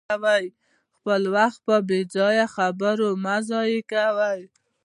خپل وخت په بې ځایه خبرو مه ضایع کوئ.